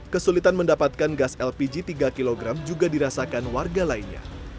kesulitan mendapatkan gas lpg tiga kg juga dirasakan warga lainnya